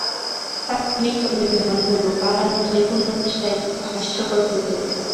তাত্ক্ষণিকভাবেই মনে হলো পালানোর যেকোনো চেষ্টাই খুব হাস্যকর হয়ে যেতে পারে।